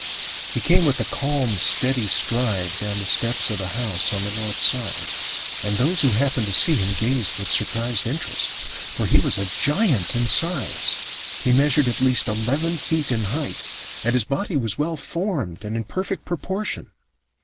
He came with a calm, steady stride down the steps of a house on the north side, and those who happened to see him gazed with surprised interest. For he was a giant in size. He measured at least eleven feet in height, and his body was well formed and in perfect proportion.